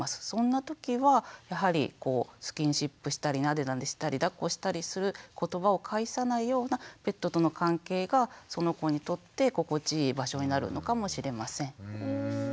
そんな時はやはりスキンシップしたりなでなでしたりだっこしたりする言葉を介さないようなペットとの関係がその子にとって心地いい場所になるのかもしれません。